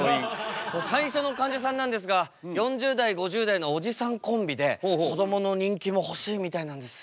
最初のかんじゃさんなんですが４０代５０代のおじさんコンビでこどもの人気も欲しいみたいなんです。